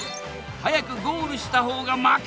早くゴールした方が負け！